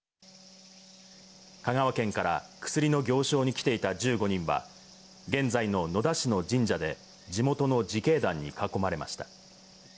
香川県から薬の行商に来ていた１５人は現在の野田市の神社で地元の自警団に囲まれました。